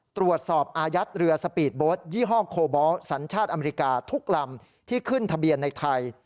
ตรวจสอบอายัดเรือสปีดโบสต์ยี่ห้อโคบอลสัญชาติอเมริกาทุกลำที่ขึ้นทะเบียนในไทย